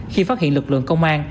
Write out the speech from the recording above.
khi phát hiện lực lượng công an